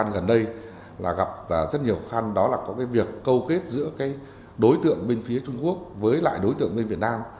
gặp rất nhiều khăn đó là có cái việc câu kết giữa cái đối tượng bên phía trung quốc với lại đối tượng bên việt nam